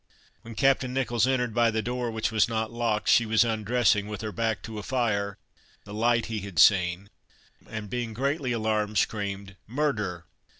When Captain Nicholls entered by the door, which was not locked, she was undressing, with her back to a fire, the light he had seen, and being greatly alarmed, screamed, "Murder!